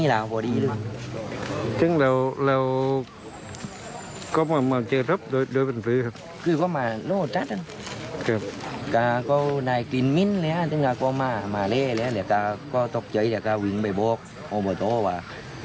และก็ได้กินมิ้นและก็มาเล่นและก็ตกใจวิ่งไปบอกอบตว่า